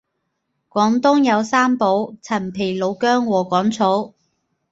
廣東有三寶陳皮老薑禾桿草